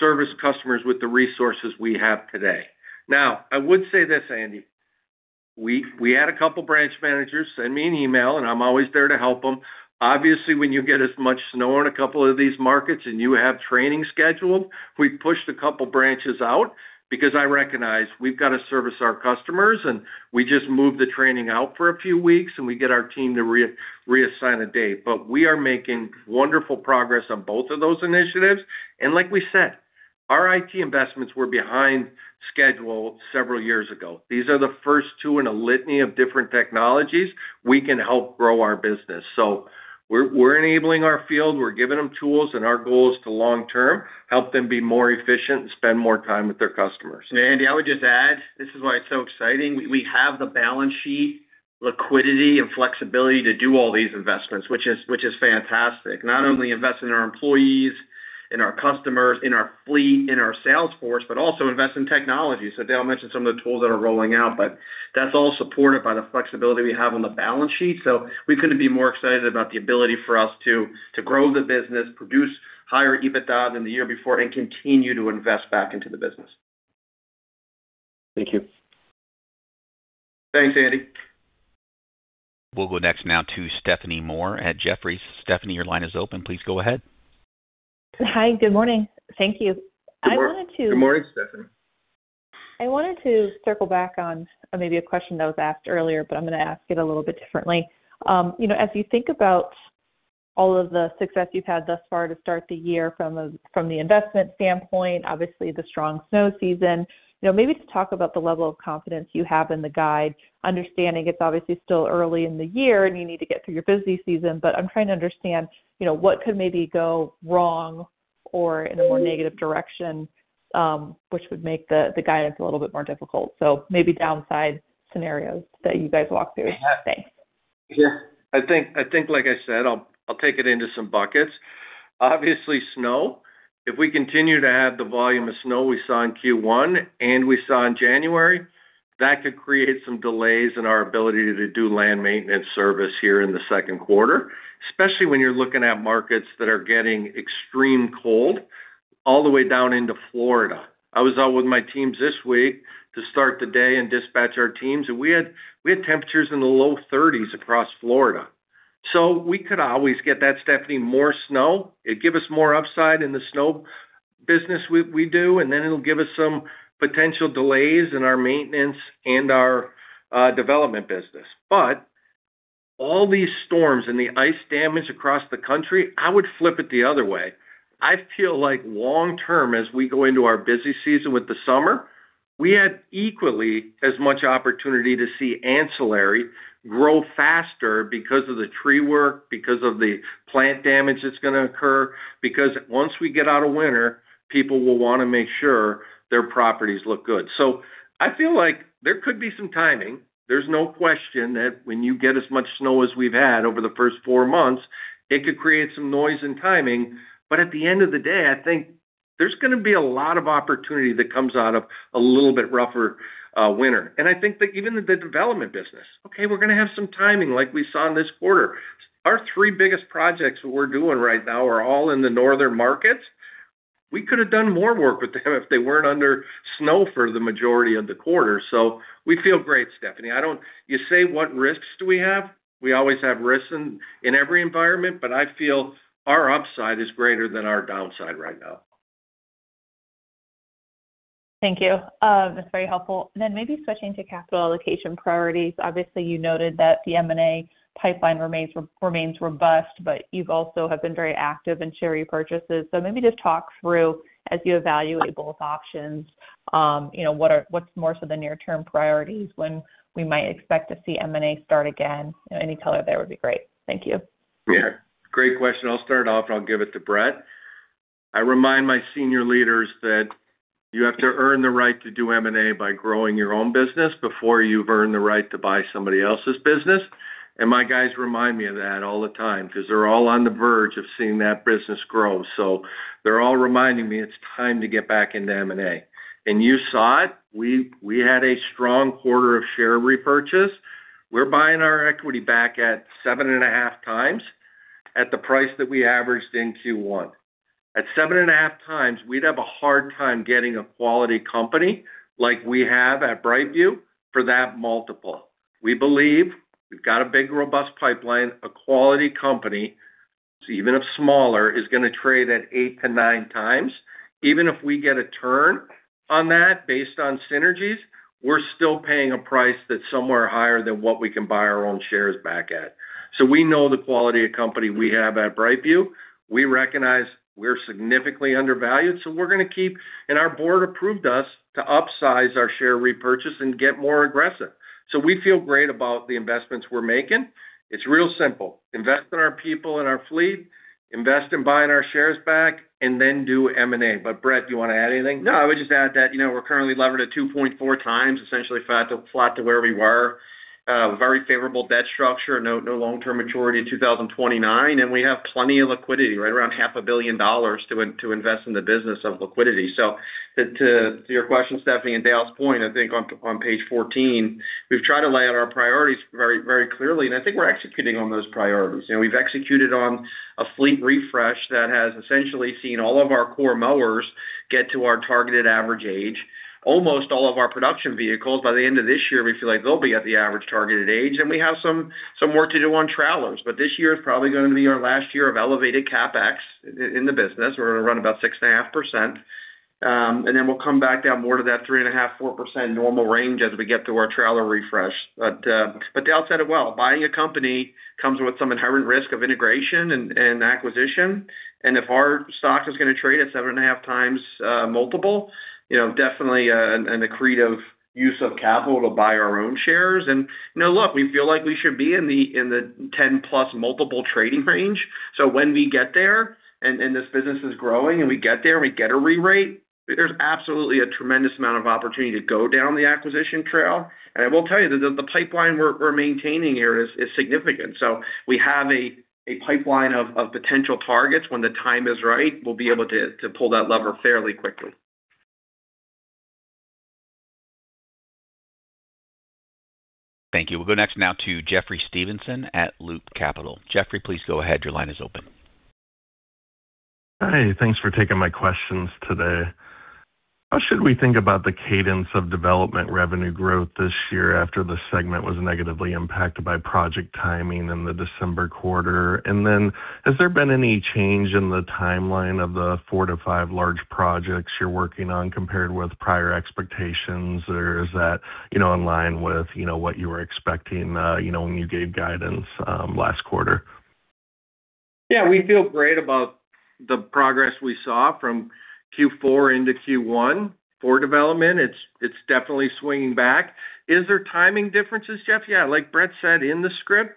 service customers with the resources we have today. Now, I would say this, Andy. We had a couple of branch managers send me an email, and I'm always there to help them. Obviously, when you get as much snow on a couple of these markets and you have training scheduled, we pushed a couple of branches out because I recognize we've got to service our customers, and we just moved the training out for a few weeks, and we get our team to reassign a date. But we are making wonderful progress on both of those initiatives. And like we said, our IT investments were behind schedule several years ago. These are the first two in a litany of different technologies we can help grow our business. So we're enabling our field. We're giving them tools, and our goal is to, long term, help them be more efficient and spend more time with their customers. Andy, I would just add, this is why it's so exciting. We have the balance sheet, liquidity, and flexibility to do all these investments, which is fantastic, not only invest in our employees, in our customers, in our fleet, in our sales force, but also invest in technology. So Dale mentioned some of the tools that are rolling out, but that's all supported by the flexibility we have on the balance sheet. So we couldn't be more excited about the ability for us to grow the business, produce higher EBITDA than the year before, and continue to invest back into the business. Thank you. Thanks, Andy. We'll go next now to Stephanie Moore at Jefferies. Stephanie, your line is open. Please go ahead. Hi, good morning. Thank you. I wanted to. Good morning, Stephanie. I wanted to circle back on maybe a question that was asked earlier, but I'm going to ask it a little bit differently. As you think about all of the success you've had thus far to start the year from the investment standpoint, obviously, the strong snow season, maybe to talk about the level of confidence you have in the guide, understanding it's obviously still early in the year, and you need to get through your busy season. But I'm trying to understand what could maybe go wrong or in a more negative direction, which would make the guidance a little bit more difficult. So maybe downside scenarios that you guys walk through. Thanks. Yeah, I think, like I said, I'll take it into some buckets. Obviously, snow. If we continue to have the volume of snow we saw in Q1 and we saw in January, that could create some delays in our ability to do land maintenance service here in the second quarter, especially when you're looking at markets that are getting extreme cold all the way down into Florida. I was out with my teams this week to start the day and dispatch our teams, and we had temperatures in the low 30s across Florida. So we could always get that, Stephanie, more snow. It'd give us more upside in the snow business we do, and then it'll give us some potential delays in our maintenance and our development business. But all these storms and the ice damage across the country, I would flip it the other way. I feel like, long term, as we go into our busy season with the summer, we had equally as much opportunity to see ancillary grow faster because of the tree work, because of the plant damage that's going to occur, because once we get out of winter, people will want to make sure their properties look good. So I feel like there could be some timing. There's no question that when you get as much snow as we've had over the first four months, it could create some noise and timing. But at the end of the day, I think there's going to be a lot of opportunity that comes out of a little bit rougher winter. And I think that even the development business, okay, we're going to have some timing like we saw in this quarter. Our 3 biggest projects that we're doing right now are all in the northern markets. We could have done more work with them if they weren't under snow for the majority of the quarter. So we feel great, Stephanie. You say, "What risks do we have?" We always have risks in every environment, but I feel our upside is greater than our downside right now. Thank you. That's very helpful. Then maybe switching to capital allocation priorities. Obviously, you noted that the M&A pipeline remains robust, but you also have been very active in share repurchases. So maybe just talk through, as you evaluate both options, what's more so the near-term priorities when we might expect to see M&A start again. Any color there would be great. Thank you. Yeah, great question. I'll start off, and I'll give it to Brett. I remind my senior leaders that you have to earn the right to do M&A by growing your own business before you've earned the right to buy somebody else's business. And my guys remind me of that all the time because they're all on the verge of seeing that business grow. So they're all reminding me it's time to get back into M&A. And you saw it. We had a strong quarter of share repurchase. We're buying our equity back at 7.5 times at the price that we averaged in Q1. At 7.5 times, we'd have a hard time getting a quality company like we have at BrightView for that multiple. We believe we've got a big, robust pipeline. A quality company, even if smaller, is going to trade at 8-9 times. Even if we get a turn on that based on synergies, we're still paying a price that's somewhere higher than what we can buy our own shares back at. So we know the quality of company we have at BrightView. We recognize we're significantly undervalued, so we're going to keep and our board approved us to upsize our share repurchase and get more aggressive. So we feel great about the investments we're making. It's real simple. Invest in our people and our fleet, invest in buying our shares back, and then do M&A. But Brett, do you want to add anything? No, I would just add that we're currently levered at 2.4x, essentially flat to where we were. Very favorable debt structure, no long-term maturity in 2029, and we have plenty of liquidity, right around $500 million to invest in the business of liquidity. So to your question, Stephanie, and Dale's point, I think on page 14, we've tried to lay out our priorities very clearly, and I think we're executing on those priorities. We've executed on a fleet refresh that has essentially seen all of our core mowers get to our targeted average age. Almost all of our production vehicles, by the end of this year, we feel like they'll be at the average targeted age. And we have some work to do on trailers, but this year is probably going to be our last year of elevated CapEx in the business. We're going to run about 6.5%, and then we'll come back down more to that 3.5%-4% normal range as we get through our trailer refresh. But Dale said it well. Buying a company comes with some inherent risk of integration and acquisition. And if our stock is going to trade at 7.5x multiple, definitely a degree of use of capital to buy our own shares. And look, we feel like we should be in the 10+ multiple trading range. So when we get there, and this business is growing, and we get there, and we get a rerate, there's absolutely a tremendous amount of opportunity to go down the acquisition trail. And I will tell you that the pipeline we're maintaining here is significant. So we have a pipeline of potential targets. When the time is right, we'll be able to pull that lever fairly quickly. Thank you. We'll go next now to Jeffrey Stevenson at Loop Capital. Jeffrey, please go ahead. Your line is open. Hi, thanks for taking my questions today. How should we think about the cadence of development revenue growth this year after the segment was negatively impacted by project timing in the December quarter? And then has there been any change in the timeline of the 4-5 large projects you're working on compared with prior expectations, or is that in line with what you were expecting when you gave guidance last quarter? Yeah, we feel great about the progress we saw from Q4 into Q1 for development. It's definitely swinging back. Is there timing differences, Jeff? Yeah, like Brett said in the script,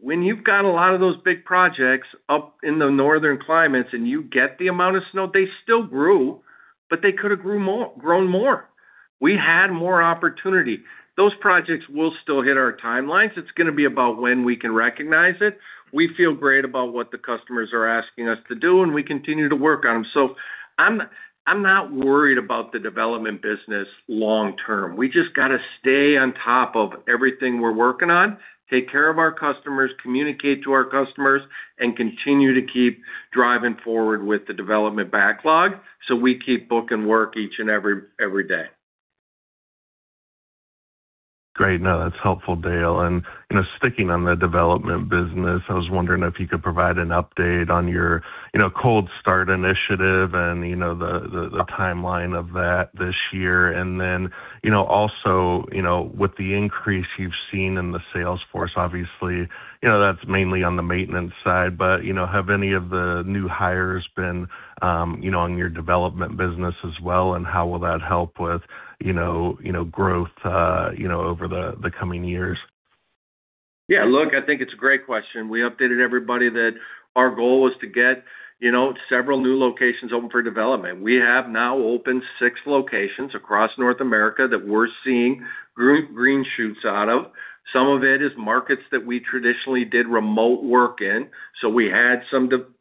when you've got a lot of those big projects up in the northern climates and you get the amount of snow, they still grew, but they could have grown more. We had more opportunity. Those projects will still hit our timelines. It's going to be about when we can recognize it. We feel great about what the customers are asking us to do, and we continue to work on them. So I'm not worried about the development business long term. We just got to stay on top of everything we're working on, take care of our customers, communicate to our customers, and continue to keep driving forward with the development backlog so we keep booking work each and every day. Great. No, that's helpful, Dale. And sticking on the development business, I was wondering if you could provide an update on your cold start initiative and the timeline of that this year. And then also, with the increase you've seen in the sales force, obviously, that's mainly on the maintenance side. But have any of the new hires been on your development business as well, and how will that help with growth over the coming years? Yeah, look, I think it's a great question. We updated everybody that our goal was to get several new locations open for development. We have now opened 6 locations across North America that we're seeing green shoots out of. Some of it is markets that we traditionally did remote work in. So we had some development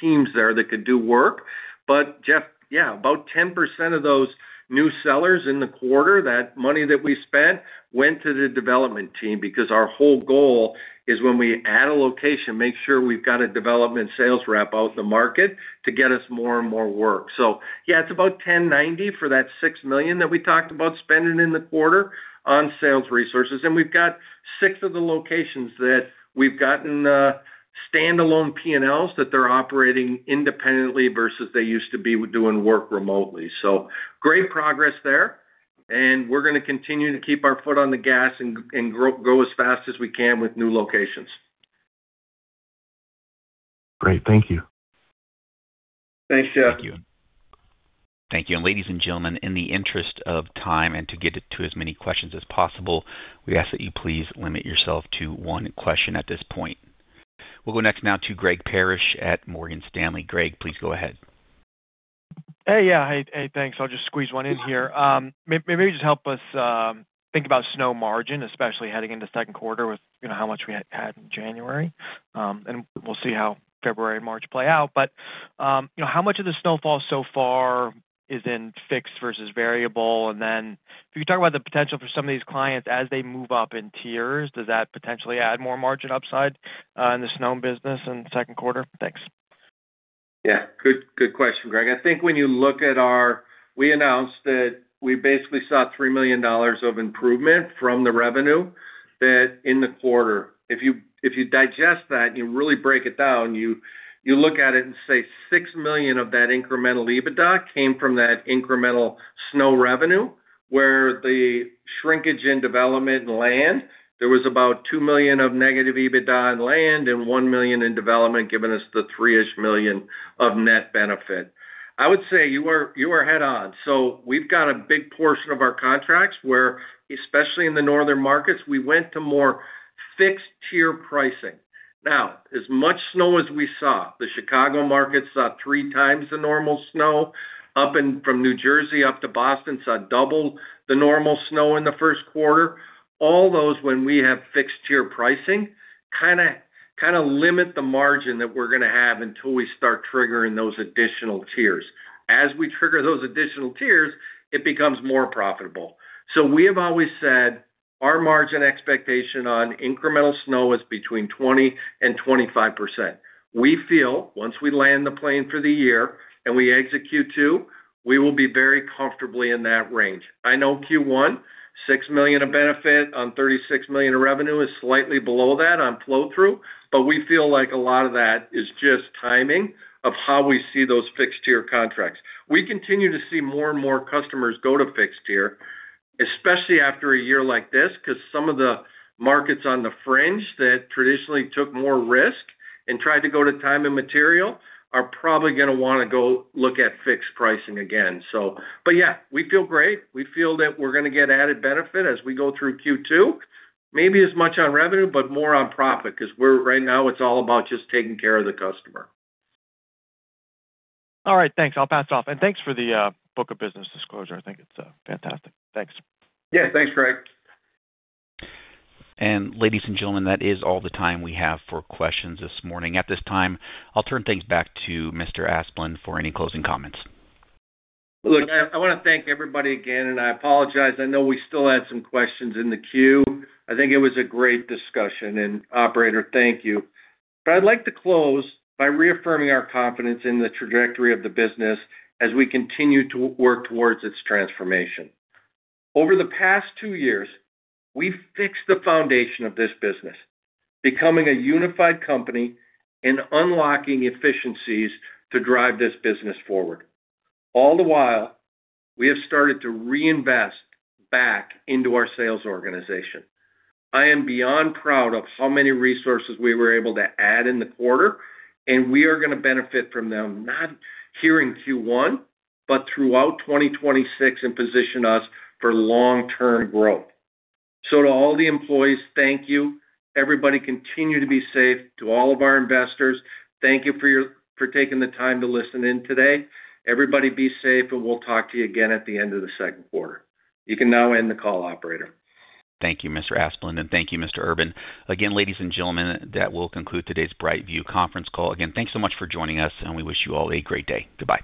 teams there that could do work. But Jeff, yeah, about 10% of those new sellers in the quarter, that money that we spent, went to the development team because our whole goal is, when we add a location, make sure we've got a development sales rep out in the market to get us more and more work. So yeah, it's about 10-90 for that $6 million that we talked about spending in the quarter on sales resources. And we've got six of the locations that we've gotten standalone P&Ls that they're operating independently versus they used to be doing work remotely. So great progress there, and we're going to continue to keep our foot on the gas and go as fast as we can with new locations. Great. Thank you. Thanks, Jeff. Thank you. Thank you. Ladies and gentlemen, in the interest of time and to get to as many questions as possible, we ask that you please limit yourself to one question at this point. We'll go next now to Greg Parrish at Morgan Stanley. Greg, please go ahead. Hey, yeah. Hey, thanks. I'll just squeeze one in here. Maybe just help us think about snow margin, especially heading into second quarter with how much we had in January. And we'll see how February and March play out. But how much of the snowfall so far is in fixed versus variable? And then if you could talk about the potential for some of these clients as they move up in tiers, does that potentially add more margin upside in the snow business in second quarter? Thanks. Yeah, good question, Greg. I think when you look at our we announced that we basically saw $3 million of improvement from the revenue that, in the quarter, if you digest that and you really break it down, you look at it and say $6 million of that incremental EBITDA came from that incremental snow revenue, where the shrinkage in development and land, there was about $2 million of negative EBITDA in land and $1 million in development, giving us the $3-ish million of net benefit. I would say you are head-on. So we've got a big portion of our contracts where, especially in the northern markets, we went to more fixed-tier pricing. Now, as much snow as we saw, the Chicago market saw 3 times the normal snow. Up from New Jersey up to Boston saw double the normal snow in the first quarter. All those, when we have fixed-tier pricing, kind of limit the margin that we're going to have until we start triggering those additional tiers. As we trigger those additional tiers, it becomes more profitable. So we have always said our margin expectation on incremental snow is between 20%-25%. We feel, once we land the plane for the year and we execute too, we will be very comfortably in that range. I know Q1, $6 million of benefit on $36 million of revenue is slightly below that on flow-through, but we feel like a lot of that is just timing of how we see those fixed-tier contracts. We continue to see more and more customers go to fixed-tier, especially after a year like this because some of the markets on the fringe that traditionally took more risk and tried to go to time and material are probably going to want to go look at fixed pricing again. But yeah, we feel great. We feel that we're going to get added benefit as we go through Q2, maybe as much on revenue, but more on profit because right now, it's all about just taking care of the customer. All right, thanks. I'll pass it off. And thanks for the book of business disclosure. I think it's fantastic. Thanks. Yes, thanks, Greg. And ladies and gentlemen, that is all the time we have for questions this morning. At this time, I'll turn things back to Mr. Asplund for any closing comments. Look, I want to thank everybody again, and I apologize. I know we still had some questions in the queue. I think it was a great discussion. Operator, thank you. But I'd like to close by reaffirming our confidence in the trajectory of the business as we continue to work towards its transformation. Over the past two years, we've fixed the foundation of this business, becoming a unified company and unlocking efficiencies to drive this business forward. All the while, we have started to reinvest back into our sales organization. I am beyond proud of how many resources we were able to add in the quarter, and we are going to benefit from them not here in Q1, but throughout 2026 and position us for long-term growth. So to all the employees, thank you. Everybody, continue to be safe. To all of our investors, thank you for taking the time to listen in today. Everybody, be safe, and we'll talk to you again at the end of the second quarter. You can now end the call, operator. Thank you, Mr. Asplund, and thank you, Mr. Urban. Again, ladies and gentlemen, that will conclude today's BrightView conference call. Again, thanks so much for joining us, and we wish you all a great day. Goodbye.